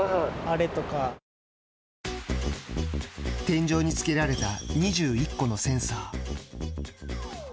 天井につけられた２１個のセンサー。